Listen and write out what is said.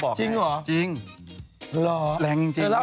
เดี๋ยวลองให้แองจีฟัง